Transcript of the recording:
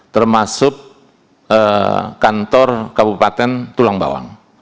termasuk kantor kabupaten tulang bawang